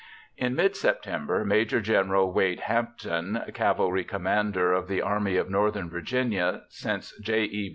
In mid September, Maj. Gen. Wade Hampton, cavalry commander of the Army of Northern Virginia since J. E.